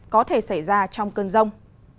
có thể xảy ra trong cơn rông